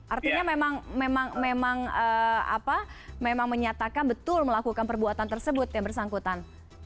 artinya memang menyatakan betul melakukan perbuatan tersebut yang bersangkutan